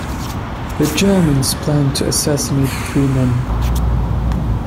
The Germans planned to assassinate the three men.